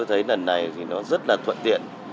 những lần này thì nó rất là thuận tiện